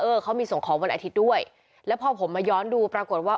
เขามีส่งของวันอาทิตย์ด้วยแล้วพอผมมาย้อนดูปรากฏว่า